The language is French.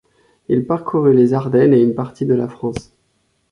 Il parcourut les Ardennes et une partie de la France.